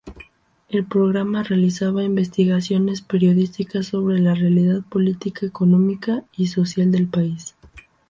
El programa realizaba investigaciones periodísticas sobre la realidad política, económica y social del país.